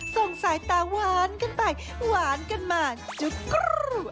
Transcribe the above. ส่งสายตาหวานกันไปหวานกันมาจุดกรูด